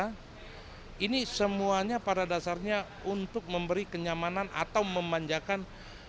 karena ini semuanya pada dasarnya untuk memberi kenyamanan atau memanjakan